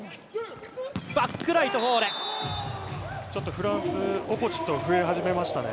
フランス、オポジット増え始めましたね。